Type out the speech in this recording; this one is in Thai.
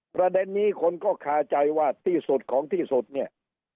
ประเด็นนี้คนก็คาใจว่าที่สุดของที่สุดเนี่ย